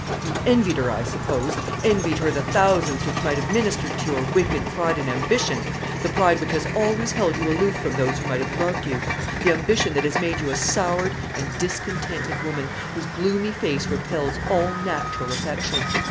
You envied her, I suppose, envied her the thousands which might have ministered to your wicked pride and ambition; the pride which has always held you aloof from those who might have loved you; the ambition that has made you a soured and discontented woman, whose gloomy face repels all natural affection.